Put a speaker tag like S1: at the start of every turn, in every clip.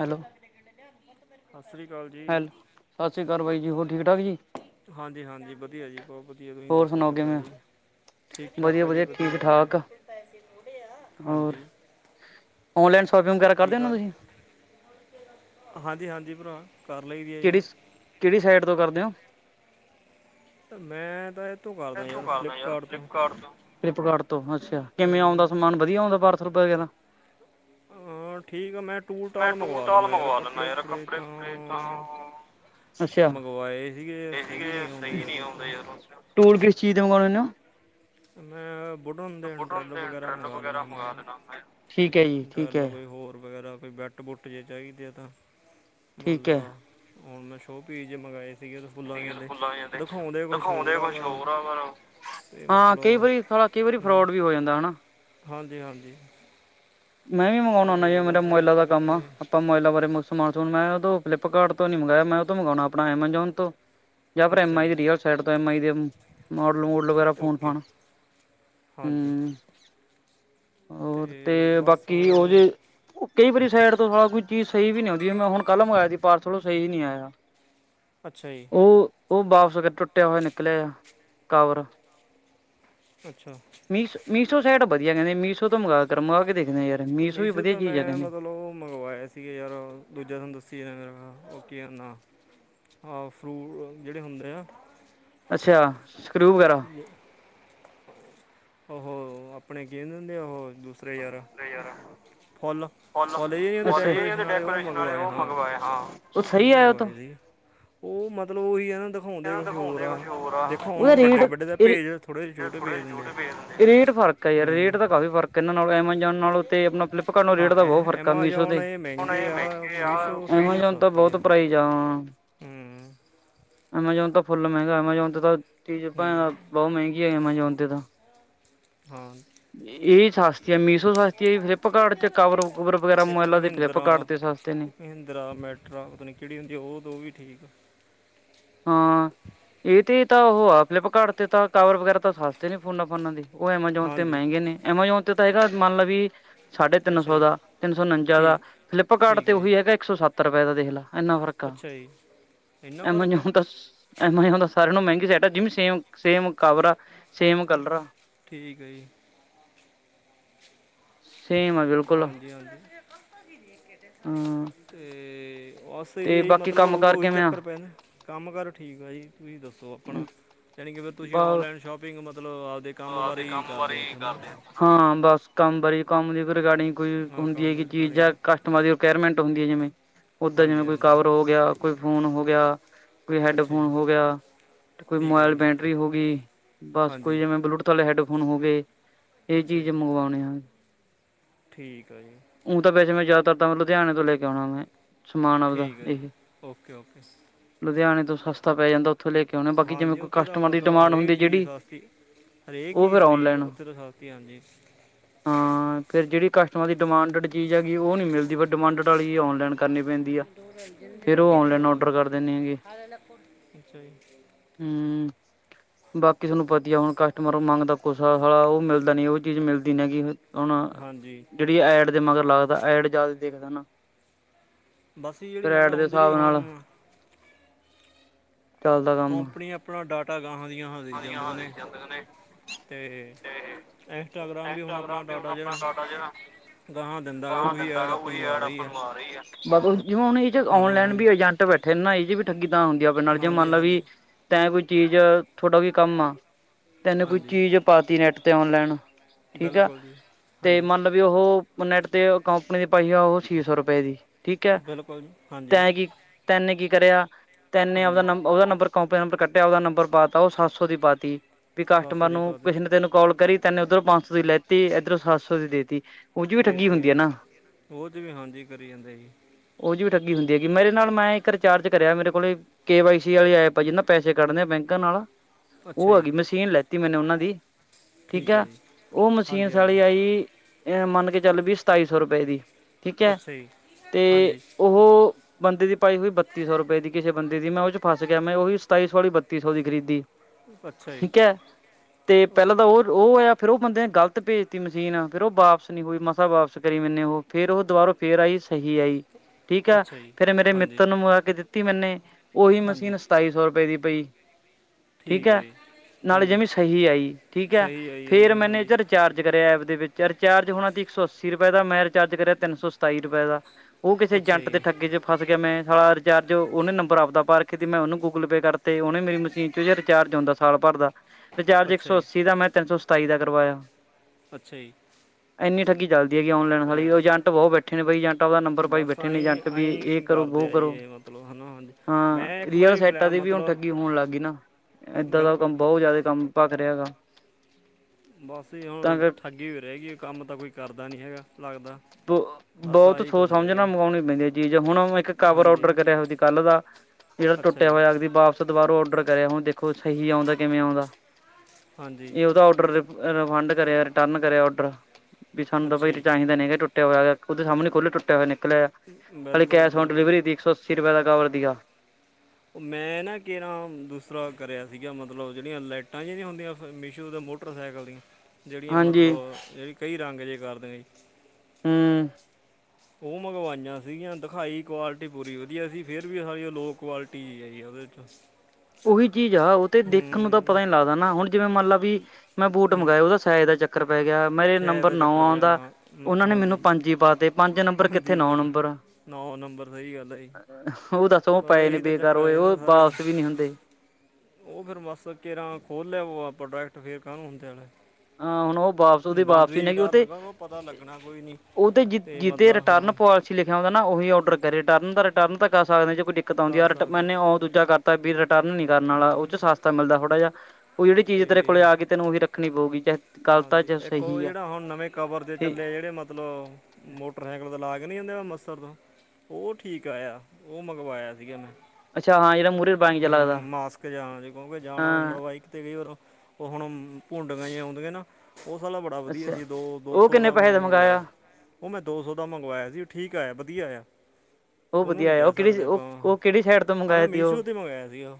S1: Hello
S2: ਸਾਸਰੀ ਕਾਲ ਜੀ।
S1: ਸਾਸ ਸ੍ਰੀ ਕਾਲ ਬਾਈ ਜੀ ਹੋਰ ਠੀਕ-ਠਾਕ, ਜੀ?
S2: ਹਾਂਜੀ-ਹਾਂਜੀ, ਵਦੀਆ ਜੀ ਬੋਹ ਵਦੀਆ, ਤੁਸੀਂ
S1: ਹੋਰ
S2: ਦੱਸੋ
S1: ਸੁਣਾਓ
S2: ਕਿੱਦਾਂ
S1: ਕਿਵੇਂ
S2: ਜੀ? ਠੀਕ-ਠਾਕ
S1: ਵਧੀਆ
S2: ਆ ਜੀ
S1: ਵਧੀਆ ਠੀਕ
S2: ਵਦੀਆ
S1: ਠਾਕ
S2: ਵੈਸੇ।
S1: ਹੋਰ
S2: ਹਾਂਜੀ
S1: ਔਨਲਾਈਨ ਸ਼ੋਪਿੰਗ ਵਗੈਰਾ
S2: ਕੀ
S1: ਕਰਦੇ ਹੋ ਨਾ
S2: ਗੱਲ
S1: ਤੁਸੀਂ
S2: ਹਾਂਜੀ-ਹਾਂਜੀ, ਭਰਾ ਕਰ ਲਈਦੀ ਐ ਜੀ।
S1: ਕਿਹੜੀ ਕਿਹੜੀ ਸਾਈਡ ਤੋਂ ਕਰਦੇ ਹੋ
S2: ਮੈਂ ਤਾਂ ਇਤੋਂ ਕਰਦਾ ਯਾਰ ਫਲਿੱਪਕਾਰਡ ਤੋਂ
S1: ਫਲਿੱਪਕਾਰਟ ਤੋਂ ਅੱਛਾ, ਕਿਵੇਂ ਆਉਂਦਾ
S2: ਹੂੰ
S1: ਸਮਾਨ ਬਦੀਆ ਆਉਂਦਾ ਪਾਰਸਲ ਪੈ ਗੇਆ ਤਾਂ?
S2: [unintelligible] ਹਾਂ ਠੀਕ ਆ ਮੈਂ ਟੂਲ ਟਾਲ ਮੰਗਵਾ ਲੈਂਦਾ ਯਾਰ ਕੱਪੜੇ ਕੁੱਪੜੇ ਤਾਂ
S1: ਅੱਛਾ
S2: ਮੰਗਵਾਏ ਸੀਗੇ ਸਹੀ ਨਹੀਂ ਆਉਂਦੇ ਯਾਰ ਉੱਥੇ
S1: ਟੂਲ ਕਿਸ ਚੀਜ਼ ਮੰਗਵਾ ਨਾ
S2: ਮੈਂ ਬੂਡਨ ਦੇ ਅੰਡਰ ਵਗੈਰਾ ਮੰਗਾਵਾ ਲੈਦਾ ਹੁੰਦਾ ਆ
S1: ਠੀਕ ਹੈ ਜੀ ਠੀਕ
S2: ਡ੍ਰੈਲ
S1: ਹੈ
S2: ਕੋਈ ਹੋਰ ਵਗੈਰਾ, ਕੋਈ ਬੈਟ-ਬੁੱਟ ਜੇ ਚਾਈਦੇ ਆ ਤਾਂ
S1: ਠੀਕ ਹੈ
S2: ਮਾਨਲਾ ਹੋਨ ਮੈਂ ਸ਼ੋਅ ਪੀਸ ਜੇ ਮੰਗਾਏ ਸੀਗੇ ਫੁੱਲਾਂ
S1: ਤੇ
S2: ਜਿਹੇ ਦੇ
S1: ਫੁੱਲਾਂ ਜੇਆਂ ਤੇ,
S2: ਦਿਖਾਉਂਦੇ ਕੁਛ ਹੋਰ
S1: ਦਿਖਾਔਦੇ
S2: ਆ
S1: ਕੋਛ ਹੋਰ ਆ ਪਰ
S2: ਤੇ
S1: ਹਾਂ ਕਈ
S2: ਮਤਲਬ
S1: ਵਾਰੀ ਕਈ ਵਾਰੀ ਫਰੋਡ ਵੀ ਹੋ ਜਾਂਦਾ ਹੇਨਾ
S2: ਹਾਂਜੀ-ਹਾਂਜੀ।
S1: ਮੈਂ ਵੀ ਮੰਗਵਾਉਣਾ ਆਨਾ ਜ ਮੇਰੇ
S2: ਇਹ
S1: ਮੋਬਲ ਦਾ ਕੰਮ ਆ
S2: ਕਰਕੇ
S1: ਆਪਾਂ ਮੋਬਾਇਲਾ ਬਾਰੇ ਸਮਾਨ ਸੂਮੂਨ ਮੈਂ ਓਤੋ ਫਲੇਪਕਾਟ ਤੋਂ ਨੀ ਮੰਗਾਯਾ ਮੈਂ ਓ ਤੋਂ ਮੰਗੌਨਾ ਆਪਣਾ ਐਮਾਜੋਨ ਤੋਂ। ਜਾਂ ਫਿਰ ੲਮ
S2: ਅੱਛਾ ਜੀ
S1: ਆਈ ਰੀਅਲ ਸਾਈਡ ਤੇ ਐਮ ਆਈ ਦੇ ਮੋਡਲਡਲ ਵੈਰਾ ਫੋਨ
S2: ਓਕੇ
S1: ਫੋਨ
S2: ਹਾਂਜੀ
S1: ਹੂੰ, ਹੋਰ ਤੇ ਉ ਕਈ ਵਾਰੀ ਸਾਈਡ ਤੋਂ ਸਾਲਾ ਕੋਈ ਚੀਜ਼ ਸਹੀ ਨੀ ਆਉਦੀ ਮੈਂ ਹੁਣ ਕੱਲ੍ਹ ਮੰਗਵਾਇਆ ਸੀ ਪਾਰਸਲ ਉਹ ਸਹੀ ਨਈ ਆਇਆ
S2: ਅੱਛਾ ਜੀ
S1: ਉ ਉ ਵਾਪਸ ਟੁੱਟਿਆ ਹੋਇਆ ਨਿਕਲਿਆ ਕਵਰ
S2: ਅੱਛਾ
S1: ਮੀਸੋ, ਮੀਸੋ ਸਾਈਟ ਵਧੀਆ, ਕਹਿੰਦੇ ਮੀਸ਼ੋ ਤੋਂ ਮੰਗਾਵਾ ਕਰ ਆ ਕੇ ਦੇਖਦੇ ਯਾਰ ਵੀ
S2: ਮੀਸ਼ੋ
S1: ਵਧੀਆ
S2: ਤੋਂ
S1: ਚੀਜ਼ ਆ
S2: ਮੈਂ
S1: ਕਹਿੰਦੇ
S2: ਮਤਲਬ ਮੰਗਵਾਇਆ ਸੀ ਯਾਰ ਦੂਜਾ ਤੁਹਾਨੂੰ ਦੱਸੀਦਾ ਮੇਰਾ ਉਹ ਕੀ ਕਰਨਾ ਹਾਂ ਫਰੂ ਜਿਹੜੇ ਹੁੰਦੇ ਆ
S1: ਅੱਛਾ ਸਕਰਊ ਵਗੈਰਾ
S2: ਉਹ ਆਪਣੇ ਕਹਿੰਦੇ ਹੁੰਦੇ ਉਹ ਦੂ ਤ੍ਰੇਅਰ ਫੁੱਲ [unintelligible] ਫੱਲਦੇ ਡੈਕੋਰੇਸ਼ਨ ਵਾਲੇ ਉਹ ਮੰਗਵਾਏ ਹਾਂ ਉਹ
S1: ਸਹੀ ਆਇਆ ਤਾਂ
S2: ਮੰਗਵਾਏ ਸੀ ਉਹ ਮਤਲਬ ਉਹੀ ਇਹਨਾਂ ਦਾ
S1: ਨੂੰ ਦਿਖਾਉਂਦੇ ਕੁਸ਼ ਹੋਰ ਆ
S2: ਵੱਡੇ ਵੱਡੇ ਦਾ ਭੇਜ ਥੋੜ੍ਹੇ ਜਿਹੇ ਛੋਟੇ ਭੇਜ ਦਿੰਦੇ ਆ
S1: ਰੇਟ ਫਰਕ ਹੈ ਯਾਰ
S2: ਹੂੰ
S1: ਰੇਟ ਦਾ ਕਾਫੀ ਫਰਕ ਕਿੰਨਾਂ ਨਾਲੋਂ ਐਮਨ ਜਾਣ ਨਾਲ ਆਪਣਾ ਫਲਿਪਕਾਰਟ
S2: ਹਾਂ
S1: ਰੇਟ ਦਾ
S2: ਐ
S1: ਬਹੁਤ ਫਰਕ ਆ ਮੀਸ਼ੋ
S2: ਐਮਾਜੋਨ
S1: ਦੇ
S2: ਇਹ ਮਹਿੰਗੇ ਆ ਮੀਸ਼ੋ ਥੋੜ੍ਹੀ
S1: ਐਮਾਜੋਨ
S2: ਸਸਤੀ ਆ
S1: ਬਹੁਤ ਪ੍ਰ ਜੋਂ
S2: ਹੂੰ
S1: ਅਮਾਜੋਨ ਤਾਂ ਫੁੱਲ ਮਹਿੰਗਾ ਅਮਾਜ਼ੋਨ ਤੇ ਤਾਂ ਤੀ
S2: ਹੂੰ
S1: ਬਹੁਤ ਮਹਿੰਗੀ ਹੈ ਅਮਾਜੋਨ ਤੇ ਤਾਂ
S2: ਹਾਂ
S1: ਇਹਛ ਮੀਸ਼ੋ ਸਸਤੀ ਹੈ ਜ ਫਲਿੱਪਕਾਟ ਚ ਕਵਰ ਕੁੂਵਰ ਵਗੈਰਾ
S2: ਇੱਕ
S1: ਮਬਲ ਦੇ
S2: ਮਹਿੰਦਰਾ
S1: ਫਲਿੱਪਕਾਟ ਤੇ ਸਸਤੇ ਨੇ
S2: ਮਹਿੰਦਰਾ ਮੈਟਰਰਾ ਪਤਾ ਨਹੀਂ ਕਿਹੜੀ ਹੁੰਦੀ ਉਹ ਤਾਂ ਉਹ ਵੀ ਠੀਕ ਆ
S1: ਹਾਂ ਇਹ ਤੇ ਤਾਂ ਉਹ ਆ ਫਲਿੱਪਕਾਰਟ ਤੇ ਤਾਂ ਕਵਰ ਵਗੈਰਾ ਤਾਂ ਸਸਤੇ ਨੀ ਫੋਨ ਫੋਨਾਂ ਦੀ ਉਹ ਐਮਾਜੋਨ ਤੇ
S2: ਹਾਂਜੀ
S1: ਮਹਿੰਗੇ ਨੇ ਐਮਾਜੋਨ ਤੇ ਤਾਂ ਹੈਗਾ ਮੰਨ ਲਵ ਵੀ ਸਾਢੇ ਤਿੰਨ
S2: ਅੱਛਾ
S1: ਸੌ
S2: ਜੀ
S1: ਦਾ ਤਿੰਨ ਸੌ ਉੰਜਾ ਦਾ
S2: ਠੀਕ
S1: ਫਲਿੱਪਕਾਰਟ
S2: ਠੀਕ
S1: ਤੇ
S2: ਹੈ ਜੀ
S1: ਉਹੀ ਹੈਗਾ ਇੱਕ ਸੌ ਸੱਤ ਰੁਪਏ ਦਾ ਦੇਖ ਲ ਇਨਾ ਫਰਕਾ
S2: ਅੱਛਾ ਜੀ ਇੰਨਾ
S1: ਐਮ ਜ
S2: ਫਰਕ ਆ
S1: ਐਮ ਹੁੰਦਾ ਸਾਰਿਆਂ ਨੂੰ ਮਹਿੰਗੀ ਸੈਟ ਆ ਜਿਵੇ same same cover same colour
S2: ਠੀਕ ਏ ਜੀ
S1: ਸੇਮ ਅਗਰ
S2: ਹਾਂਜੀ ਹਾਂਜੀ ਅਤੇ
S1: ਹਾਂ
S2: ਬਸ ਹੀ
S1: ਤੇ
S2: ਹੈ ਜੀ
S1: ਬਾਕੀ
S2: ਮਤਲਬ
S1: ਕੰਮ
S2: ਉਹ
S1: ਕਾਰ
S2: ਉਹੀ
S1: ਕਿਵੇਂ ਆ
S2: ਚੱਕਰ ਪੈਂਦਾ ਕੰਮ ਕਾਰ ਠੀਕ ਆ ਜੀ ਤੁਸੀਂ ਦੱਸੋ ਆਪਣਾ ਯਣੀ ਕਿ ਫਿਰ ਤੁਸੀਂ
S1: ਬ
S2: ਔਨਲਾਈਨ ਸ਼ੋਪਿੰਗ ਮਤਲਬ ਆਪਦੇ ਕੰਮ ਬਾਰੀ ਕਰਦੇ ਹਾਂ ਇੱਥੋਂ ਨਾ
S1: ਹਾਂ ਬਸ ਕੰਮ ਬਾਰੀ ਕੰਮ ਦੀ ਰਿਗਾਰਡਿੰਗ ਕੋਈ
S2: ਹਾਂ
S1: ਹੁੰਦੀ
S2: ਕੰਮ
S1: ਹੈਗੀ
S2: ਦੇ
S1: ਚੀਜ਼
S2: ਰਿਕਾਰਡਿੰਗ
S1: ਜਾਂ
S2: ਆ
S1: ਕਸਟਮਰ ਦੀ ਰਿਕੁਆਇਰਮੈਂਟ ਹੁੰਦੀ ਹੈ ਜਿਵੇਂ ਓਦਾਂ ਜਿਵੇਂ
S2: ਹਾਂਜੀ
S1: ਕੋਈ
S2: ਹਾਂਜੀ
S1: ਕਵਰ ਹੋ ਗਿਆ ਕੋਈ ਫੋਨ ਹੋ ਗਿਆ ਕੋਈ
S2: ਅੱਛਾ
S1: ਹੈਡਫੋਨ
S2: ਜੀ
S1: ਹੋ ਗਿਆ ਤੇ ਕੋਈ
S2: ਠੀਕ ਹੈ
S1: ਮੋਬਾਇਲ
S2: ਜੀ
S1: ਬੈਟਰੀ ਹੋ ਗਈ ਬਸ ਕੋਈ
S2: ਹਾਂਜੀ
S1: ਜਿਵੇਂ ਬਲੂ ਹੈਡਫੋਨ ਹੋ ਗਏ ਇਹ
S2: ਅੱਛਾ
S1: ਚੀਜ਼
S2: ਜੀ
S1: ਮੰਗਵਾਉਣੇ ਆ
S2: ਠੀਕ ਆ ਜੀ
S1: ਹੁ ਤਾਂ ਵੈੇੈਂਿਆਦਾਤਰ ਤਾਂ ਮ ਲੁਧਿਆਣੇ ਤੋਂ ਲੈ ਕੇ ਆਉਣਾ ਮੈਂ ਸਮਾਨ ਆਪਦਾ
S2: ਠੀਕ ਆ
S1: ਇਹ
S2: ਜੀ ਓਕੇ ਓਕੇ
S1: ਲੁਧਿਆਣੇ ਤੋਂ ਸਸਤਾ ਪੈ ਜਾਂਦਾ ਉੱਥੋਂ ਲੈ ਕੇ ਕਿਉਂ ਬਾਕੀਿਵੇ
S2: ਹਾਂਜੀ
S1: ਕੋਈ
S2: ਉੱਥੇ ਤਾਂ
S1: ਕਸਟਮ ਦੀ
S2: ਮਤਲਬ
S1: ਡਿਮਡ
S2: ਹਰੇਕ
S1: ਹੁੰਦੀ
S2: ਚੀਜ਼ ਹੀ
S1: ਜਿਹੜੀ
S2: ਸਸਤੀ ਹਰੇਕ
S1: ਉਹ
S2: ਹੀ
S1: ਫਿਰ
S2: ਸਰੀਰ
S1: ਔਨਲਾਈਨ
S2: ਉੱਥੇ ਤੋਂ ਸਤੀ ਹਾਂਜੀ
S1: ਹਾਂ ਹਾਂ ਫਿਰ ਜਿਹੜੀ ਕਸਟਮਰ ਦੀ ਡਿਮਾਂਡਡ ਚੀਜ਼ ਹੈਗੀ ਉਹ ਨਹੀਂੀ ਮਿਲਦੀ ਪਰਿਰਿਮਾਂਡ ਵਾਲੀ ਚੀਜ਼ ਔਨਲਾਈਨ ਕਰਨੀ ਪੈਂਦੀ ਆ ਫੇਰ ਉਹ ਔਨਲਾਈਨ ਔਡਰ ਕਰ ਦਿੰਦੇ
S2: ਜ
S1: ਹੈਗੇ
S2: [unintelligible]
S1: ਹਮ ਬਾਕੀ ਤੁਹਾਨੂੰ ਪਤੀ ਆ ਹੁਣ ਕਠ ਮਰੁ ਮੰਗਦਾ ਕੁਛ ਆ ਸਾਲਾ। ਉਹ ਮਿਲਦਾ ਨਹੀਂ, ਉਹ ਚੀਜ਼ ਮਿਲਦੀ ਨਹੀਂ ਹੁਣ।
S2: ਹਾਂਜੀ
S1: ਇਹ ਐਡ ਦੇ ਮਗਰ ਲੱਗਦਾ। ਐਡ ਜ਼ਿਆਦਾ ਦੇਖਦਾ ਨਾ।
S2: ਬਸ, ਜਿਹੜੀ
S1: ਫਿਰ
S2: ਮਤਬ
S1: ਐਡ ਦੇ
S2: ਹੁਣ ਜਿਹੜੀ ਹੈ
S1: ਹਿਸਾਬ ਨਾਲ
S2: ਹੁਣ।
S1: ਚੱਲਦਾ
S2: ਕੰਪਨੀ ਆਪਣਾ ਡਾਟਾ ਗਾਹਾਂ ਦੀਆਂ ਹਨ।
S1: ਪਰੀਆਂ ਦੇ ਚੰਦ ਨੇ, 'ਤੇ
S2: ਇੰਸਟਾਗ੍ਰਾਮ ਵੀ ਹੁਣ ਆਪਣਾ ਡਾਟਾ ਜਿਹਾ।
S1: ਜਾ ਉਹ ਦਿੰਦਾ ਹੋਣਾ ਕੋਈ ਐਡ ਤਾਂ ਇਹ
S2: ਆ
S1: ਬਣਵਾ ਰਹੀ ਹੈ। ਜੀਉ ਇਹ ਹੁਣ ਆਨਲਾਈਨ
S2: ਹਾਂ
S1: ਵੀ ਹੋ ਬੈਠੇ ਨਾ ਇਹ ਜੀ ਵੀ ਠੱਗੀ ਤਾਂ ਹੁੰਦੀ ਆ ਆਪ ਨਾਲ ਜੇ
S2: ਹਾਂਜੀ
S1: ਮੰਨ ਲ ਵੀ
S2: ਹਾਂਜੀ
S1: ਤੋਂਕੋਈ ਚੀਜ਼ ਥੋਡਾ ਕੋਈ ਕੰਮ ਆ। ਤੈਨੂੰ ਕੋਈ
S2: ਹਾਂਜੀ
S1: ਚੀਜ਼ ਪਾ ਤੀ ਨੈੱਟ ਤੇ ਆਨਲਾਈਨ। ਠੀਕ ਆ।
S2: ਬਿਲਕੁਲ ਜੀ
S1: ਤੇ
S2: ਹਾਂਜੀ
S1: ਮੰਨ ਵੀ ਉਹ ਨੈਟ ਤੇ ਕੰਪਨੀ ਦੀ ਪਾਈ ਆ ਉਹ ਛੇ ਸੌ ਰੁਪਏ ਦੀ। ਠੀਕ ਹੈ
S2: ਬਿਲਕੁਲ ਜੀ ਹਾਂਜੀ
S1: ਤੇ ਕਿ? ਤੈਨੇ ਕੀ ਕਰਿਆ? ਤੈਨੇ ਉਹਦਾ
S2: ਹਾਂਜੀ
S1: ਨੰਬਰ, ਕਪ ਨੰਬਰ ਕੱਟਿਆ। ਉਹਦਾ ਨੰਬਰ ਪਾਦ ਤਾਂ ਉਹ, ਸੱਤ ਸੌ ਦੀ ਪਾਤੀ, ਵੀ ਕਸਟਮਰ
S2: ਦੀ
S1: ਨੂੰ,
S2: ਪਾ ਦੇ
S1: ਪਿੱਛਲੇ ਦਿਨ ਕਾਲ ਕਰੀ। ਤੈਨੇ ਉੱਧਰੋਂ, ਪੰਜ ਸੌ ਦੀ ਲੈਤੀ, ਇੱਧਰੋਂ, ਸੱਤ ਸੌ ਦੀ ਦੇਤੀ। ਉਹ 'ਚ ਵੀ ਠੱਗੀ ਹੁੰਦੀ ਹੈ
S2: ਦੇਤੀਆਂ।
S1: ਨਾ
S2: ਉਹ ਚ ਵੀ, ਹਾਂਜੀ ਕਰੀ ਜਾਂਦੇ ਸੀ।
S1: ਉਹ ਜਹੀ ਵੀ ਠੱਗੀ ਹੁੰਦੀ ਹੈਗੀ। ਮੇਰੇ ਨਾਲ ਮੈਂ ਇੱਕ ਰਿਚਾਰਜ ਕਰਿਆ ਮੇਰੇ ਕੋਲੇ। ਕੇ ਵਾਈ ਸੀ ਵਾਲੀ ਐਪ ਜੀ ਨਾ, ਪੈਸੇ ਕੱਢਣੇ ਆ ਬੈਂਕਾਂ ਨਾਲ।
S2: ਅੱਛਾ
S1: ਉਹ
S2: ਜੀ
S1: ਹੈਗੀ ਮਸ਼ੀਨ ਲੈਤੀ ਮੈਨੇ ਉਹਨਾਂ ਦੀ ਠੀਕ ਹੈ ਉਹ ਮਸ਼ੀਨ
S2: ਹਾਂਜੀ
S1: ਸੀ
S2: ਹਾਂਜੀ
S1: ਆਈ ਏਹਿ ਮੰਨ ਕੇ ਚੱਲ ਵੀ ਸਤਾਈ ਸੌ ਰੁਪਏ ਦੀ ਠੀਕ ਹੈ,
S2: ਅੱਛਾ ਜੀ
S1: ਤੇ
S2: ਹਾਂਜੀ
S1: ਉਹ ਬੰਦੇ ਦੀ ਪਾਈ ਹੋਈ ਬੱਤੀ ਸੌ ਰੁਪਏ ਦੀ ਕਿਸੇ ਬੰਦੇ ਦੀ ਮੈਂ ਉਹ ਚ ਫਸ ਗਿਆ। ਮੈਂ ਉਹੀ ਸਤਾਈ ਸੌ ਵਾਲੀ ਬੱਤੀ ਸੌ ਦੀ ਖਰੀਦੀ।
S2: ਅੱਛਾ ਜੀ
S1: ਠੀਕ ਹੈ, ਤੇ ਪਹਿਲਾਂ ਤਾਂ ਉਹ ਉਹ ਹੋਇਆ। ਫੇਰ ਉਹ ਬੰਦੇ ਨੇ ਗਲਤ ਭੇਜਤੀ ਮਸ਼ੀਨ ਫੇਰ ਉਹ ਵਾਪਸ ਨਹੀ ਹੋਈ, ਮਸਾ ਵਾਪਸ ਕਰੀ ਮੈਨੇ ਉਹ ਫੇਰ ਉਹ ਦੁਬਾਰਾ ਫੇਰ ਆਈ, ਸਹੀ ਆਈ। ਠੀਕ ਆ,
S2: ਅੱਛਾ ਜੀ
S1: ਫੇਰ ਮੇਰੇ
S2: ਹਾਂਜੀ
S1: ਮਿੱਤਰ ਨੂੰ ਮੰ ਗਵਾ ਕੇ ਦਿੱਤੀ ਮੈਨੇ ਉਹੀ
S2: ਹਾਂਜੀ
S1: ਮਸ਼ੀਨ ਸਤਾਈ ਸੌ ਰੁਪਏ ਦੀ ਪਈ। ਠੀਕ ਹੈ, ਨਾਲੇ
S2: ਹਾਂਜੀ
S1: ਜਿਵੇ ਸਹੀ ਆਈ। ਠੀਕ ਹੈ
S2: ਸਹੀ ਜੀ
S1: ਫੇਰ
S2: ਹਾਂ-
S1: ਮੈਨੇ
S2: ਹਾਂਜੀ
S1: ਚਾਰ ਕਰਿਆ ਐਪ ਦੇ ਵਿੱਚ ਰਿਚਾਰਜ ਹੋਣਾ ਸੀ ਇੱਕ ਸੌ ਅੱਸੀ ਰੁਪਏ ਦਾ, ਮੈਂ ਰਿਚਾਰਜ ਕਰਿਆ ਤਿੰਨ ਸੌ ਸਤਾਈ ਰੁਪਏ ਦਾ। ਉਹ, ਕਿਸੇ
S2: ਅੱਛਾ
S1: ਜੰਟ ਦੇ
S2: ਜੀ
S1: ਠੱਗੇ ਚ। ਫਸ ਗਿਆ ਮੈਂ ਸਾਲਾ ਰਿਚਾਰਜ ਉਹਨੇ ਨੰਬਰ ਆਪਦਾ ਪਾ ਰਖਿਆ ਸੀ ਤੇ ਮੈਂ ਉਹਨੂੰ ਗੂਗਲ ਪੇ ਕਰਤੇ। ਉਹਨੇ ਮੇਰੀ ਮਸ਼ੀਨ ਰਿਚਾਰਜ ਹੁੰਦਾ ਸਾਲ ਭਰ ਦਾ। ਰਿਚਾਰਜ ਇੱਕ
S2: ਅੱਛਾ
S1: ਸੌ
S2: ਜੀ
S1: ਅੱਸੀ ਦਾ ਮੈਂ ਤਿੰਨ ਸੌ ਸਤਾਈ ਦਾ ਕਰਵਾਇਆ।
S2: ਅੱਛਾ ਜੀ!
S1: ਇੰਨੀ ਠੱਗੀ ਚੱਲਦੀ ਹੈਗੀ ਔਨਲਾਈਨ ਹਲੀ
S2: ਭੈ-
S1: ਏਜੰਟ ਬਹੁਤ ਬੈਠੇ ਕਹਿੰਦੇ ਨੇ ਬਾਈ ਜੰਟ ਉਹਦਾ ਨੰਬਰ ਪਾਈ
S2: ਬਸ
S1: ਬੈਠੇ ਨੇ।
S2: ਆਈ
S1: ਜੰਟ ਵੀ ਇਹ
S2: ਆਈ
S1: ਕਰੋ, ਵੋ
S2: ਕਰਦੇ ਆ ਜੀ
S1: ਕਰੋ।
S2: ਇਹ ਮਤਲਬ ਹਨਾ ਹਾਂਜੀ ਮੈਂ
S1: ਹਾਂ,
S2: ਇੱਕ
S1: ਰੀਅਲ
S2: ਵਾਰੀ ਫਲੈ
S1: ਸੈਟਾਂ ਦੀ ਵੀ ਹੁਣ
S2: ਮਤਲਬ
S1: ਠੱਗੀ ਹੋਣ ਲੱਗ ਗਈ ਨਾ। ਏਦਾਂ ਦਾ ਉਹ
S2: ਬਿਲਕੁਲ
S1: ਕੰਮ ਬਹੁਤ ਜਿਆਦਾ ਕੰਮ ਭਗ ਰਿਹਾ ਹੈਗਾ।
S2: ਬਸ ਹੀ,
S1: ਤਾਂ
S2: ਹੁਣ
S1: ਕਰ
S2: ਠੱਗੀ ਵੀ ਰਹਿ ਗੀ ਕੰਮ ਤਾਂ ਕੋਈ ਕਰਦਾ ਨਹੀਂ ਹੈਗਾ, ਲੱਗਦਾ।
S1: ਬਹੁ
S2: ਬਸ
S1: ਬਹੁਤ
S2: ਆਹੀ
S1: ਸੋਚ
S2: ਕੁਝ
S1: ਸਮਝ
S2: ਰਹਿ
S1: ਨਾਲ
S2: ਗਿਆ
S1: ਮੰਗਵਾਉਣੀ ਪੈਂਦੀ ਹੈ, ਚੀਜ਼। ਹੁਣ ਇੱਕ ਕਵਰ
S2: ਹਾਂਜੀ
S1: ਔਡਰ ਕਰਿਆ ਸੀ ਕੱਲ੍ਹ ਦਾ। ਦਿਲ
S2: ਅੱਛਾ
S1: ਟੁੱਟਿਆ
S2: ਜੀ
S1: ਹੋਇਆ [unintelligible] ਦੁਬਾਰੋਂ ਔਡਰ ਕਰਿਆ। ਹੁਣ ਦੇਖੋ, ਸਹੀ ਆਉਂਦਾ ਕਿਵੇਂ ਆਉਂਦਾ?
S2: ਹਾਂਜੀ
S1: ਇਹ ਉਹਦਾ ਔਡਰ ਰਿ ਰਿਫੰਡ ਕਰਿਆ, ਰਿਟਰਨ ਕਰਿਆ ਔਡਰ ਵੀ ਸਾਨੂੰ ਤਾਂ ਬਾਈ
S2: ਅੱਛਾ ਜੀ
S1: ਚਾਹੀਦਾ ਨੀ ਹੈਗਾ ਟੁੱਟ ਟੁੱਟਿਆ ਹੋਇਆ। ਉਹਦੇ ਸਾਹਮਣੇ ਖੋਲ੍ਹਿਆ ਟੁੱਟਿਆ ਹੋਇਆ ਨਿਕਲਿਆ। ਨਾਲੇ
S2: ਬਿਲਕੁਲ
S1: ਕੈਸ਼
S2: ਜੀ
S1: ਔਨ
S2: ਬਿਲਕੁਲ
S1: ਡਿਲੀਵਰੀ ਸੀ ਇੱਕ ਸੌ ਅੱਸੀ ਰੁਪਏ ਦਾ ਕਵਰ ਸੀਗਾ।
S2: ਮੈਂ ਨਾ ਕਿ ਨਾ ਦੂਸਰਾ ਕਰਿਆ ਸੀਗਾ ਮਤਲਬ ਜਿਹੜੀਆਂ ਲਾਈਟਾਂ ਜੀ ਨੀ ਹੁੰਦੀਆਂ ਮੀਸ਼ੋ ਦੇ ਮੁੱਢ। ਮੋਟਰਸਾਈਕਲ ਦੀਆਂ। ਜਿਹੜੀਆਂ
S1: ਹਾਂਜੀ
S2: ਮਤਲਬ ਜੇੜੀ ਕਈ ਰੰਗ ਜੇਹੇ ਕਰਦੇ ਨੇ।
S1: ਹੂੰ।
S2: ਉਹ ਮੰਗਵਾਈਆਂ ਸੀਗੀਆਂ ਦਿਖਾਈ ਕੁਆਲਿਟੀ ਪੂਰੀ ਵਧੀਆ ਸੀ। ਫੇਰ ਵੀ ਸਾਾਲੀ ਉਹ ਲੋਅ ਕੁਆਲਿ [unintelligible]
S1: ਉਹੀ ਚੀਜ਼ ਆ, ਉਹ ਤੇ ਦੇਖਣ ਨੂੰ ਤਾਂ ਪਤਾ ਨੀ ਲੱਗਦਾ ਨਾ ਹੁਣ ਜਿਵੇਂ ਮੰਨ ਲੈਂ ਵੀ ਮੈਂ ਬੂਟ
S2: ਹੂੰ
S1: ਮੰਗਵਾਏ ਉਹਦਾ ਤਾਂ ਹੀ ਤਾਂ ਚੱਕਰ ਪੈ ਗਿਆ। ਮੇਰੇ
S2: ਛੇ
S1: ਨੰਬਰ
S2: ਦਾ
S1: ਨੌ
S2: ਚੱਕਰ ਪੈਂਦਾ
S1: ਆਉਂਦਾ,
S2: ਹਾਂ ਨੌ-
S1: ਉਹਨਾ ਨੇ ਮੈਨੂੰ
S2: ਹਾਂਜੀ
S1: ਪੰਜ ਹੀ ਪਾਤੇ। ਪੰਜ ਨੰਬਰ ਕਿੱਥੇ ਨੌ ਨੰਬਰ।
S2: ਨੌ ਨੰਬਰ, ਸਹੀ ਗੱਲ ਹੈ ਜੀ।
S1: ਉਹ ਦੱਸੋ ਉਹ
S2: ਬੱਸ
S1: ਪਏ ਨੇ
S2: ਏਹੀ ਤਾਂ
S1: ਬੇਕਾਰ
S2: ਚੱਕਰ ਹੈ
S1: ਹੋਏ
S2: ਏਹਦਾ
S1: ਉਹ
S2: ਸਾਰਾ।
S1: ਵਾਪਸ ਵੀ ਨਹੀਂ ਹੁੰਦੇ।
S2: ਉਹ ਫੇਰ ਬਸ ਤਕਿਰੇ ਨਾਲ ਖੋਲਿਆ ਹੋਵੂ। ਪ੍ਰੋਡਕਟ ਫੇਰ, ਕਾਹਨ ਨੂੰ ਹੁੰਦੇ ਵਾਲੇ।
S1: ਹਾਂ ਹੁਣ ਉਹ ਵਾਪਸ, ਉਹਦੀ ਵਾਪਸੀ ਨਹੀ। ਉਹ
S2: ਰਿਟਰਨ
S1: ਤੇ
S2: ਕਰਾਂਗਾ ਪਤਾ ਲੱਗਣਾ ਕੋਈ ਨਹੀਂ
S1: ਉਹਦੇ, ਜਿ
S2: ਤੇ
S1: ਜਿਥੇ
S2: ਮਤਲਬ ਹਾਂ
S1: ਰਿਟਰਨ। ਪ ਛੇ ਲਿਖਿਆ ਉਦਾ ਉਹੀ ਔਡਰ ਕਰੇ। ਰਿਟਰਨ ਤਾਂ- ਰਿਟਰਨ ਤਾਂ ਕਰ ਸਕਦੇ, ਜੇ ਕੋਈ ਦਿੱਕਤ ਆਉਂਦੀ
S2: ਕਰ
S1: ਆ। ਰਿ
S2: ਸਕਦਾ
S1: ਮੈਨੇ ਉਹ ਦੂਜਾ ਕਰ ਤਾਂ ਵੀ ਰਿਟਰਨ ਨਹੀਂ ਕਰਨ ਆਲਾ। ਉਹ ਤ
S2: ਹੂੰ,
S1: ਸਸਤਾ ਮਿਲਦਾ ਥੋੜਾ ਜਿਹਾ। ਉਹ ਜਿਹੜੀ ਚੀਜ਼ ਤੇਰੇ ਕੋਲ
S2: ਤੇ
S1: ਆ ਕੇ ਤੈਨੂੰ ਉਹੀ, ਰੱਖਣੀ ਪਊਗੀ ਚਾਹੇ ਗਲਤ ਆ
S2: ਹਾਂਜੀ।
S1: ਚਾਹੇ
S2: ਇੱਕ ਉਹ
S1: ਸਹੀ ਆ।
S2: ਜਿਹੜਾ ਹੁਣ ਨਵੇਂ, ਕਵਰ ਜੇ
S1: ਫੇ
S2: ਚੱਲੇ ਜਿਹੜੇ ਮਤਲਬ ਮੋਟਰਹਾਈਕਲ ਤੇ ਲਾ ਕੇ ਨੀ, ਜਾਂਦੇ ਅੰਮ੍ਰਤਸਰ ਤੋਂ। ਉਹ ਠੀਕ ਆਇਯਾ। ਉਹ ਮੰਗਵਾਇਆ ਸੀਗਾ ਮੈਂ।
S1: ਅੱਛਾ ਹਾਂ ਜਿਹੜਾ ਮੂਹਰੇ ਰਬਾਇੰਗ ਜਿਹਾ ਲੱਗਦਾ
S2: ਹੂੰ, ਮਾਸਕ ਜਾਣਾ, ਜ ਕਈ ਵਾਰੀ ਜਾਣਾ
S1: ਹਾਂ
S2: ਹੁੰਦਾ ਬਾਈ। ਤੇ ਗਈ ਉਹ। ਹੁਣ ਭੁੰਡਗਾਂ ਜਿਆਂ, ਆਉਂਦੀਆਂ ਨਾ। ਉਹ ਸਾਲਾ ਬੜਾ ਵਧੀਆ
S1: ਅੱਛਾ।
S2: ਸੀ। ਦੋ,
S1: ਉਹ
S2: ਦੋਸੌ
S1: ਕਿੰਨੇ
S2: ਦਾ
S1: ਪੈਸੇ
S2: ਮੈਂ ਮੰਗਵਾਇਆ
S1: ਮੰਗਾਇਆ
S2: ਸੀ। ਉਹ ਮੈਂ ਦੋਸੌ ਦਾ, ਮੰਗਵਾਇਆ ਸੀ। ਠੀਕ ਆਯਾ ਵਧੀਆ ਆਯਾ।
S1: ਉਹ
S2: ਉਹਨੂੰ ਨਹੀਂ
S1: ਵਧੀਆ ਆ
S2: ਕਹਿ
S1: ਉਹ ਕਿਹੜੀ
S2: ਸਕਦੇ
S1: ਉਹ
S2: ਅਪਾ,
S1: ਉਹ ਕਿਹੜੀ ਸਾਈਡ ਤੋਂ
S2: ਆਮੈਂ
S1: ਮੰਗਾਇਆ ਤੀ
S2: ਮੀਸ਼ੋ
S1: ਉਹ
S2: ਤੇ ਮੰਗਵਾਆ ਸੀਗਾ।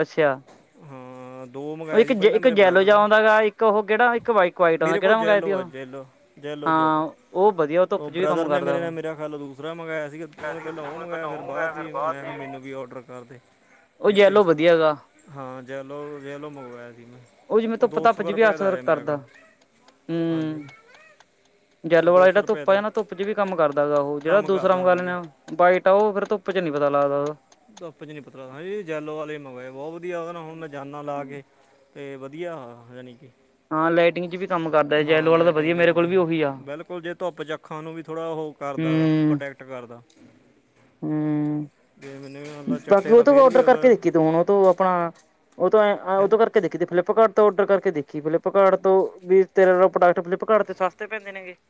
S1: ਅੱਛਾ
S2: ਹੂੰ।
S1: ਉਹ ਇੱਕ, ਜ ਇੱਕ ਜੈਲੋ ਜਿਹਾ, ਆਉਂਦਾ ਹੈਗਾ। ਇੱਕ ਉਹ ਕਿਹੜਾ ਇੱਕ, ਵਾਇਟ- ਵਾਇਟ ਆਂਦਾ।
S2: ਮੇਰੇ ਕੋਲ
S1: ਕਿਹੜਾ ਮੰਗਵਾਇਆ ਸੀ
S2: ਜੈਲੋ ਆ
S1: ਉਹ।
S2: ਜੈਲੋ ਜੈਲੋ ਜੈਲੋ
S1: ਹਾਂ ਉਹ ਵਧੀਆ। ਧੁੱਪ
S2: ਉਹ
S1: ਚ ਵੀ
S2: ਬ੍ਰਦਰ
S1: ਕੰਮ
S2: ਨੇ,
S1: ਕਰਦਾ
S2: ਮੇਰੇ ਨੇ
S1: ਉਹ
S2: ਮੇਰਾ ਖਿਆਲ, ਉਹ ਦੂਸਰਾ ਮੰਗਾਇਆ ਸੀਗਾ। ਉਹਨੇ ਪਹਿਲਾਂ ਉਹ ਮੰਗਾਇਆ, ਫੇਰ ਬਾਅਦ ਚ ਮੈਂ ਕਿਹਾ, ਮੈਨੂੰ ਵੀ ਔਡਰ ਕਰ ਕਰਦੇ।
S1: ਉਹ ਜੈਲੋ, ਵਧੀਆ ਗਾ।
S2: ਹਾਂ ਜੇਲੋ, ਜੇਲੋ ਮੰਗਵਾਇਆ ਸੀ ਮੈਂ।
S1: ਉਹ ਜਿਵੇਂ, ਧੁੱਪ- ਧਾਪ
S2: ਕੁ
S1: ਚ ਵੀ
S2: ਰੁਪਏ ਦਾ
S1: ਅਸਰ
S2: ਆਇਆ ਮੇਰਾ
S1: ਕਰਦਾ।
S2: ਕਾ ਹਾਂਜੀ
S1: ਹੂੰ।
S2: ਉਹ
S1: ਜੈਲੋ ਵਾਲਾ ਜਿਹੜਾ,
S2: ਰੁਪਏ
S1: ਧੁੱਪਾ ਆ
S2: ਦਾ
S1: ਨਾ,
S2: ਹੈ।
S1: ਧੁੱਪ ਚ ਵੀ ਕੰਮ ਕਰਦਾ ਹੈਗਾ। ਉਹ ਜਿਹੜਾ
S2: ਕੰਮ
S1: ਦੂਸਰਾ
S2: ਕਰਦਾ
S1: ਮੰਗਾ ਲੈਨੇ
S2: ਹਾਂਜੀ
S1: ਆਂ। ਬਾਈਟ ਆ। ਉਹ ਫੇਰ ਧੁੱਪ ਚ ਨੀ ਪਤਾ ਲੱਗਦਾ ਉਹਦਾ।
S2: ਧੁਪ ਚ ਨੀ ਪਤਾ ਲਗਦਾ। ਹਾਂਜੀ, ਜੈਲੋ ਵਾਲੇ ਮੰਗਵਾਇਆ, ਬਹੁਤ ਵਧੀਆ ਉਹ ਹੁਣ, ਮੈਂ ਜਾਨਾ ਲਾ ਕੇ। ਅਤੇ ਵਧੀਆ, ਯਾਨੀ ਕਿ
S1: ਹਾਂ ਲਾਈਟਿੰਗ ਚ ਵੀ ਕੰਮ ਕਰਦਾ ਜੈਲੋ
S2: ਹਾਂ
S1: ਵਾਲਾ ਤਾਂ
S2: ਲਾਇਟ
S1: ਵਧੀਆ
S2: ਜਾ।
S1: ਮੇਰੇ ਕੋਲ
S2: ਜੀ
S1: ਵੀ ਉਹੀ ਆ
S2: ਬਿਲਕੁਲ, ਜੇ ਧੁੱਪ ਚੱ ਅੱਖਾਂ ਨੂੰ ਵੀ, ਥੋੜਾ ਉਹ ਕਰਦਾ ਹੈਗਾ।
S1: ਹੂੰ
S2: ਪ੍ਰੋਟੈਕਟ ਕਰਦਾ।
S1: ਹੂੰ,
S2: ਜੇ ਮੈਨੂੰ ਵੀ ਮਤਲਬ
S1: ਬਾਕੀ
S2: ਚੱਟੇ
S1: ਉਹ
S2: ਦਾ
S1: ਤੋਂ
S2: ਫੇਰ ਵੀ
S1: ਔਡਰ, ਕਰਕੇ ਦੇਖੀ ਤ ਹੁਣ ਉਹ ਤੋਂ। ਪਾ ਉਹ ਤੋਂ ਹੈ। ਆ ਉਹ ਤੋਂ ਫੇਰ। ਦੇਖੀ ਤੇ ਫਲਿੱਪਕਾਟ ਤੋਂ ਔਡਰ ਕਰਕੇ ਦੇਖੀ। ਫਲਿੱਪਕਾਟ ਤੋਂ ਵੀ, ਤੇਰੇ ਨਾਲ ਪ੍ਰੋਡਕਟ ਫਲਿਪਕਾਟ ਤੇ ਸਸਤੇ ਪੈਂਦੇ। [unintelligible]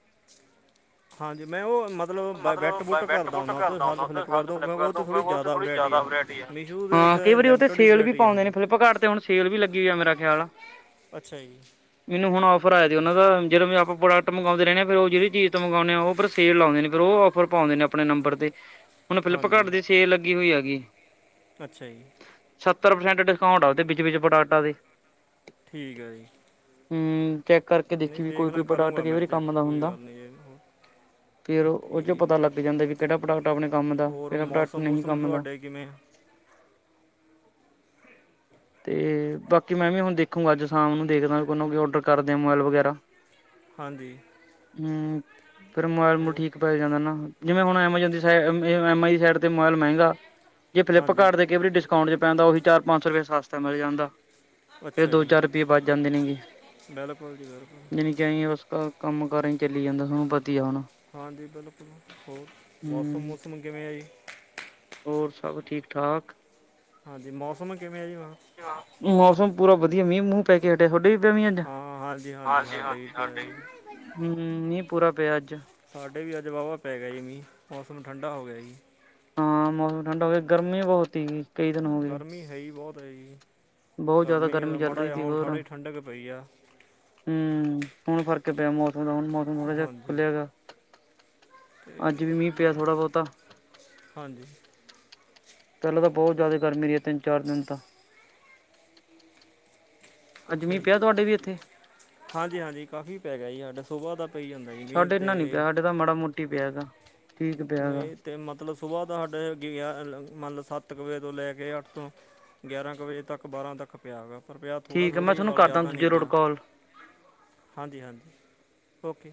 S2: ਹਾਂਜੀ। ਮੈਂ ਉਹ, ਮਤਲ ਮਤਲਬ ਬੈਟ ਬੁਟ ਕਰਦਾ ਹੁੰਦਾ। ਸਰਚ ਫਲਿੱਪ ਕਰ ਦਿਉ, ਕਿਉਂਕਿ ਉਹ ਤਾਂ ਥੋੜੀ ਜ਼ਿਆਦਾ ਵਰਾਇਟੀ ਆ। ਮੀਸ਼ੂ ਦੇ
S1: ਹਾਂ, ਕਈ ਵਾਰੀ ਉਹ ਤੇ,
S2: ਲਿਮਟਿਡ ਹੀ
S1: ਸੇਲ ਵੀ
S2: ਵੈਰਾਈਟੀ ਆ
S1: ਪਾਉਂਦੇ ਨੇ।
S2: ਹਾਂਜੀ
S1: ਫਲਿੱਪਕਾਟ ਤੇ ਹੁਣ, ਸੇਲ ਵੀ ਲੱਗੀ ਹੋਈ ਆ। ਮੇਰਾ ਖਿਆਲ ਐ।
S2: ਅੱਛਾ ਜੀ।
S1: ਮੈਨੂੰ ਹੁਨ, ਔਫਰ ਆਇਆ ਜੀ ਉਹਨਾਂ ਦਾ। ਜਦੋਂ ਮੈ, ਆਪਾਂ ਪ੍ਰੋਡਕਟ ਮੰਗਾਉਂਦੇ ਰਹੇ ਆ। ਫੇਰ ਉਹ ਜਹੜੀ ਚੀਜ਼, ਮੰਗਾਉਂਦੇ ਆ ਉਹ ਫੇਰ ਸੇਲ ਲਾਉਂਦੇ ਨੇ। ਫੇਰ ਉਹ ਔਫਰ ਪਾਉਂਦੇ ਨੇ, ਆਪਣੇ ਨੰਬਰ ਤੇ। ਹੁਣ ਫਲਿੱਪਕਾਰਟ
S2: ਹਾਂਜੀ
S1: ਦੀ, ਸੇਲ ਲੱਗੀ ਹੋਈ ਹੈਗੀ।
S2: ਅੱਛਾ ਜੀ।
S1: ਸੱਤਰ ਪ੍ਰਸੈਂਟ, ਡਿਸਕਾਊਂਟ ਆ ੳਦੇ ਵਿੱਚ- ਵਿੱਚ ਪ੍ਰੋਡਕਟਾਂ ਦੇ।
S2: ਠੀਕ ਹੈ ਜੀ।
S1: ਹੂੰ। ਚੈੱਕ ਕਰਕੇ ਦੇਖੀ ਵੀ। ਕੋਈ, ਕੋਈ ਪ੍ਰੋਡਾਕਟ ਕਈ ਵਾਰੀ ਕੰਮ ਦਾ ਹੁੰਦਾ।
S2: ਮ [unintelligible]
S1: ਫੇਰ ਉਹ ਚੋਂ, ਪਤਾ ਲੱਗ ਜਾਂਦਾ ਵੀ, ਕਿਹੜਾ ਪ੍ਰੋਡਕਟ ਆਪਣੇ ਕੰਮ ਦਾ,
S2: ਹੋਰ
S1: ਕਿਹੜਾ ਪ੍ਰੋਡਕਟ
S2: ਮੌਸਮ
S1: ਨਹੀਂ
S2: ਮੌਸਮ
S1: ਕੰਮ ਦਾ।
S2: ਤੁਹਾਡੇ ਕਿਵੇਂ
S1: ਤੇ ਬਾਕੀ ਮੈਂ ਵੀ ਹੁਣ ਦੇਖੂੰਗਾ ਅੱਜ ਸ਼ਾਮ ਨੂੰ ਦੇਖਦਾ ਕੋਈ ਨਾ ਕੋਈ ਔਡਰ ਕਰਦੇ ਆ ਮੋਬਾਇਲ ਵਗੈਰਾ।
S2: ਹਾਂਜੀ।
S1: ਹੂੰ, ਫਿਰ ਮੋਬਾਈਲ ਮੁਬੁਲ
S2: ਹੋਰ
S1: ਠੀਕ ਪੈ ਜਾਂਦਾ ਨਾ। ਜਿਵੇਂ ਹੁਣ ਐਮਾਜੋਨ ਦੀ ਸਾਇਟ ਐੱਮ ਆਈ ਦੀ ਸਾਇਟ ਤੇ ਮੋਬਾਇਲ ਮਹਿੰਗਾ ਜੇ
S2: ਹਾਂਜੀ
S1: ਫਲਿੱਪਕਾਰਟ ਤੇ ਕਈ ਵਾਰੀ ਡਿਸ ਅਕਾਂਊਟ ਚ ਪੈਂਦਾ ਉਹੀ ਚਾਰ ਪੰਜ ਸੋ ਰੁਪਏ ਸਸਤਾ ਮਿਲ ਜਾਂਦਾ। ਫੇਰ
S2: ਅੱਛਾ
S1: ਦੋ,
S2: ਜੀ
S1: ਚਾਰ ਰੁਪਈਏ ਬੱਚ ਜਾਂਦੇ ਨੇ ਗੇ।
S2: ਬਿਲਕੁਲ ਜੀ ਬਿਲਕੁਲ
S1: ਬਣੀ। ਯਾਹੀ ਉਸ ਦਾ, ਕੰਮ- ਕਾਰ ਹੀ ਚਲੀ ਜਾਂਦਾ। ਸਾਨੂੰ
S2: ਹਾਂਜੀ, ਬਿਲਕੁਲ। ਹੋਰ ਮੌਸਮ-
S1: ਹੂੰ
S2: ਮੂਸਮ ਕਿਵੇਂ ਹੈ ਜੀ?
S1: ਹੋਰ ਸਭ ਠੀਕ ਠਾਕ?
S2: ਹਾਂਜੀ, ਮੌਸਮ ਕਿਵੇਂ ਆ ਜੀ ਹੁਣ।
S1: ਮੌਸਮ ਪੂਰਾ ਵਧੀਆ ਮੀਂਹ ਮੂੰਹ ਪੈ ਕੇ ਹਟਿਆ ਤੁਹਾਡੇ ਵੀ ਪਿਆ ਮੀਂਹ ਅੱਜ।
S2: ਹਾਂ ਹਾਂਜੀ ਹਾਂਜੀ ਵੀ
S1: ਹਾਂਜੀ-ਹਾਂਜੀ
S2: ਪਿਆ
S1: ਸਾਡੇ
S2: ਜੀ
S1: ਵੀ ਮੀਂਹ ਪੂਰਾ ਪਿਆ ਅੱਜ।
S2: ਸਾਡੇ ਵੀ ਅੱਜ ਵਾਹਵਾ ਪੈ ਗਿਆ ਜੀ ਮੀਂਹ ਮੌਸਮ ਠੰਡਾ ਹੋ ਗਿਆ ਜੀ।
S1: ਹਾਂ, ਮੌਸਮ ਠੰਡਾ ਹੋ ਗਿਆ ਗਰਮੀ ਬਹੁਤ ਸੀਗੀ। ਕਈ ਦਿਨ ਹੋ ਗਏ
S2: ਗਰਮੀ ਹੈਈ ਬਹੁਤ ਆ ਜੀ
S1: ਬਹੁਤ ਜ਼ਿਆਦਾ
S2: ਗਰਮੀ ਦਾ
S1: ਚੱਲ
S2: ਮਾੜਾ
S1: ਰਹੀ
S2: ਜਾ
S1: ਸੀ
S2: ਹੁਣ
S1: ਹੋਰ
S2: ਥੋੜ੍ਹੀ ਜੀ ਠੰਡਕ ਪਈ ਆ।
S1: ਹੂੰ, ਹੁਣ ਫਰਕੇ ਪਿਆ ਮੌਸ ਹੁਣ ਮੌਸਮ ਥੋੜਾ ਜਿਹਾ
S2: ਹਾਂਜੀ
S1: ਖੁੱਲਿਆ ਗਾ
S2: ਤੇ
S1: ਅੱਜ ਵੀ ਮੀਂਹ ਪਿਆ
S2: ਬ-
S1: ਥੋੜਾ ਬਹੁਤਾ।
S2: ਹਾਂਜੀ,
S1: ਪਹਿਲਾਂ ਤਾਂ ਬਹੁਤ ਜ਼ਿਆਦਾ ਗਰਮੀ ਰਹੀ ਤਿੰਨ ਚਾਰ ਦਿਨ ਤਾਂ। ਅੱਜ
S2: ਅੱਛਾ
S1: ਮੀਂਹ
S2: ਜੀ,
S1: ਪਿਆ ਤੁਹਾਡੇ ਵੀ ਇੱਥੇ
S2: ਹਾਂਜੀ ਹਾਂਜੀ ਕਾਫ਼ੀ ਪੈ ਗਿਆ ਜੀ ਸਾਡਾ ਸੁਬਾਹ ਦਾ ਪਈ ਜਾਂਦਾ ਜੀ ਮੀਂਹ
S1: ਸਾਡੇ
S2: ਤੇ
S1: ਇਨਾ ਨੀ ਪਿਆ ਸਾਡੇ ਤਾਂ ਮਾੜਾ ਮੋਟੀ ਪਿਆ ਹੈਗਾ। ਠੀਕ ਪਿਆ ਹੈਗਾ
S2: ਨਹੀਂ ਤੇ ਮਤਲਬ ਸੁਬਾਹ ਤੋਂ ਸਾਡੇ ਗਿਆ ਮੰਨਲਬ ਸੱਤ ਕੁ ਵਜੇ ਤੋਂ ਲੈ ਕੇ ਅੱਠ ਤੋਂ ਗਿਆਰਾਂ ਕੁ ਵਜੇ ਤੱਕ ਬਾਰਾਂ ਤੱਕ ਪਿਆ ਵਾ ਪਰ ਪਿਆ ਥੋੜ੍ਹਾ
S1: ਠੀਕ ਹੈ
S2: ਥੋੜ੍ਹਾ
S1: ਮੈਂ
S2: ਈ
S1: ਤੁਹਾਨੂੰ
S2: ਵਾਲਾ
S1: ਕਰਦਾ
S2: ਜ਼ਿਆਦਾ ਨੀ
S1: ਦੂਜੇ ਰੋਡ
S2: ਪਿਆ।
S1: ਕਾਲ
S2: ਹਾਂਜੀ ਹਾਂਜੀ ਓਕੇ।